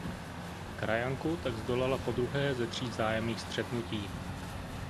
Krajanku tak zdolala podruhé ze tří vzájemných střetnutí.